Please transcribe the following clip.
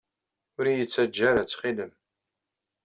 Ur iyi-ttaǧǧa ara, ttxil-m!